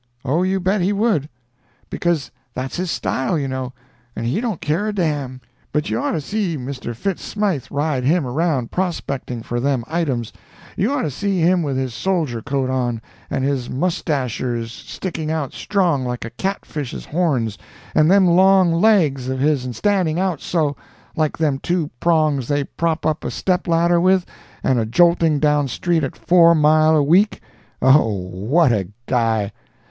Oh, you bet he would. Because that's his style, you know, and he don't care a dam. But you ought to see Mr. Fitz Smythe ride him around, prospecting for them items—you ought to see him with his soldier coat on, and his mustashers sticking out strong like a catfish's horns, and them long laigs of his'n standing out so, like them two prongs they prop up a step ladder with, and a jolting down street at four mile a week—oh, what a guy!